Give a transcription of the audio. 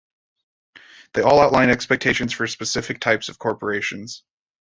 They all outline exceptions for specific types of corporations.